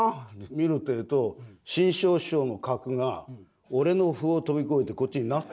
見るってえと志ん生師匠の角が俺の歩を飛び越えてこっちになってる。